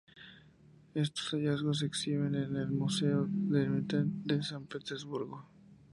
Estos hallazgos se exhiben en el Museo del Hermitage de San Petersburgo.